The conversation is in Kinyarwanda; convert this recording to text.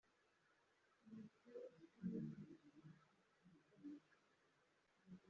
yari yagiye ku musozi horebu ajyanywe no gushakira